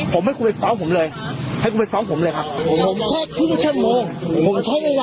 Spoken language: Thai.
คุณมาก